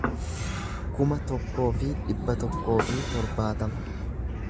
kuma tokkoo fi dhibba tokkoo fi torbaatama